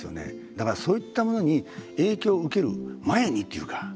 だからそういったものに影響を受ける前にというか。